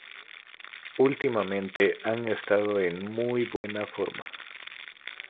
Últimamente ha estado en muy buena forma.